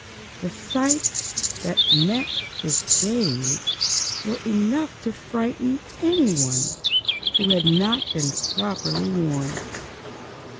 The sights that met his gaze were enough to frighten anyone who had not been properly warned.